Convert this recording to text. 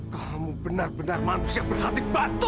kamu benar benar manusia berhati bantu